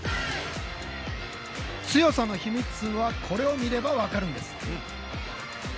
強さの秘密はこれを見れば分かるんです。